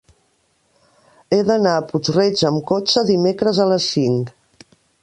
He d'anar a Puig-reig amb cotxe dimecres a les cinc.